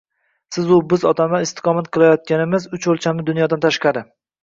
Siz-u biz odamlar istiqomat qilayotganimiz uch o‘lchamli dunyodan tashqari